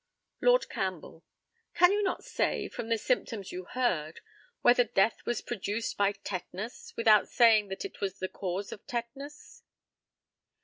Lord CAMPBELL: Can you not say, from the symptoms you heard, whether death was produced by tetanus, without saying what was the cause of tetanus?